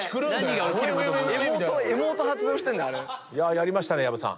やりましたね薮さん。